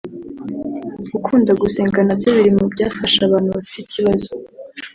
Gukunda gusenga na byo biri mu byafasha abantu bafite ikibazo